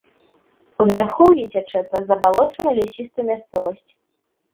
У вярхоўі цячэ праз забалочаную лясістую мясцовасць.